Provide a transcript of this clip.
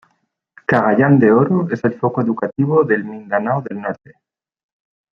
Cagayán de Oro es el foco educativo del Mindanao del Norte.